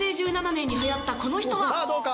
さあどうか？